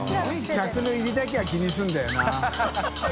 客の入りだけは気にするんだよな田渕）